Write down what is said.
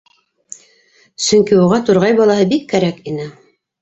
Сөнки уға турғай балаһы бик кәрәк ине.